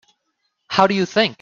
How do you think?